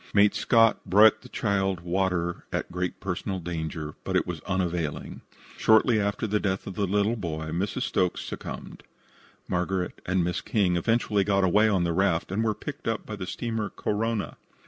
Mate Scott brought the child water at great personal danger, but it was unavailing. Shortly after the death of the little boy Mrs. Stokes succumbed. Margaret and Miss King eventually got away on the raft, and were picked up by the steamer Korona.